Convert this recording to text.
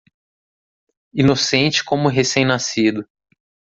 Inocente como recém-nascido.